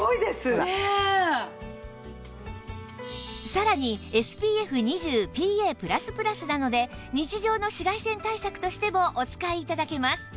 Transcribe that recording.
さらに ＳＰＦ２０ＰＡ＋＋ なので日常の紫外線対策としてもお使い頂けます